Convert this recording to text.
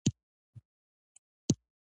سیاسي اهدافو لپاره کار کوي.